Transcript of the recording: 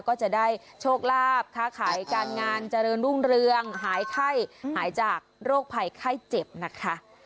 ก็จะได้โชคลาภค้าขายการงานเจริญรุ่งเรืองหายไข้หายจากโรคภัยไข้เจ็บนะคะ